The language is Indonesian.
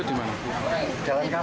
itu di mana